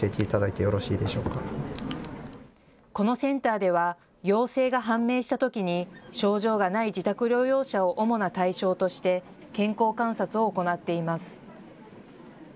このセンターでは陽性が判明したときに症状がない自宅療養者を主な対象として健康観察を行っています。